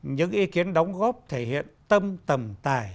những ý kiến đóng góp thể hiện tâm tầm tài